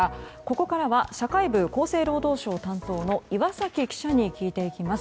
ここからは社会部厚生労働省担当の岩崎記者に聞いていきます。